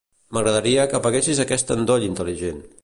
M'agradaria que apaguessis aquest endoll intel·ligent.